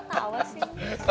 kau tau sih